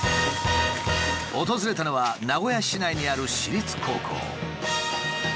訪れたのは名古屋市内にある私立高校。